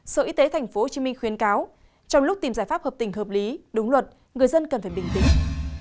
sở y tế tp hcm khuyến cáo trong lúc tìm giải pháp hợp tình hợp lý đúng luật người dân cần phải bình tĩnh